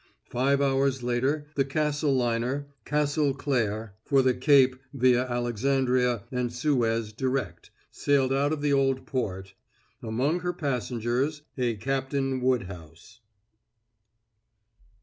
Five hours later the Castle liner, Castle Claire, for the Cape via Alexandria and Suez direct, sailed out of the Old Port, among her passengers a Captain Woodhouse.